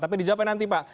tapi dijawabkan nanti pak